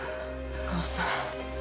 お母さん。